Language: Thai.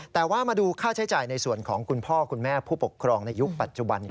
แต่ว่ามาดูค่าใช้จ่ายในส่วนของคุณพ่อคุณแม่ผู้ปกครองในยุคปัจจุบันกัน